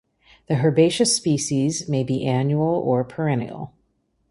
The herbaceous species may be annual or perennial.